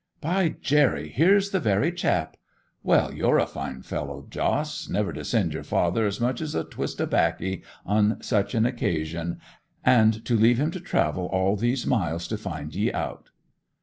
'By Jerry, here's the very chap! Well, you're a fine fellow, Jos, never to send your father as much as a twist o' baccy on such an occasion, and to leave him to travel all these miles to find ye out!